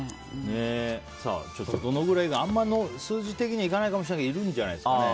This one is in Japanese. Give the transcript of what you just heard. あんま数字的にはいかないかもしれないけどいるんじゃないですかね。